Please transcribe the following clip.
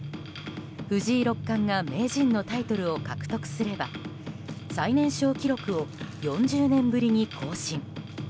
藤井六冠が名人のタイトルを獲得すれば最年少記録を４０年ぶりに更新。